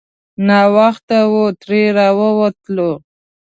ناوخته وو ترې راووتلو.